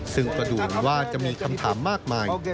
ซึ่งกระดูกว่าจะมีคำถามมากมาย